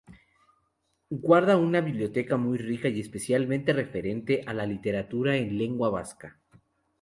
Guarda una biblioteca muy rica y especialmente referente para la literatura en lengua vasca.